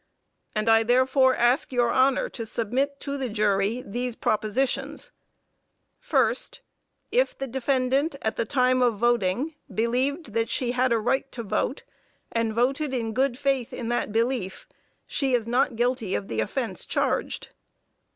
And I therefore ask your Honor to submit to the jury these propositions: First If the defendant, at the time of voting, believed that she had a right to vote and voted in good faith in that belief, she is not guilty of the offense charged.